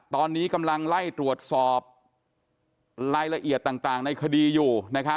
ตอนนี้กำลังไล่ตรวจสอบรายละเอียดต่างในคดีอยู่